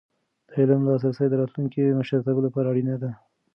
د علم لاسرسی د راتلونکي مشرتابه لپاره اړینه ده.